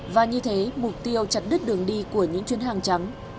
và như thế mục tiêu chặt đứt đường đi của những chuyến hàng trắng